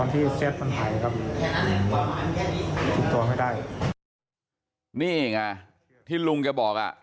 ติดต่อไม่ได้นี่เองฮะที่ลุงจะบอกอ่ะ